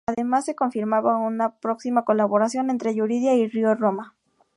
Además se confirmaba una próxima colaboración entre Yuridia y Río Roma.